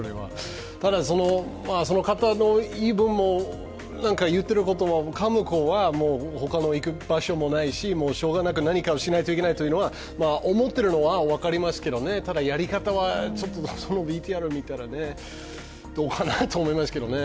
ただ、その方の言い分も、分かってることは、かむ方は他の行く場所もないし、しょうがなく何かをしなきゃいけないというのは思ってるのは分かりますけど、ただやり方は、そのＶＴＲを見たらどうかなと思いますけどね。